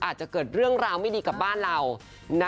อาจจะเกิดเรื่องราวไม่ดีกับบ้านเรา